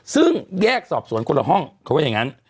ซึ่งแยกสอบสวนคนละห้องเขาว่าอย่างนั้น